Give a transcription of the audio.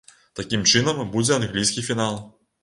Такім чынам, будзе англійскі фінал!